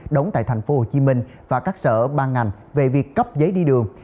đóng tại tp hcm và các sở ban ngành về việc cấp giấy đi đường